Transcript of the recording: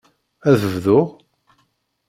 Ad bduɣ?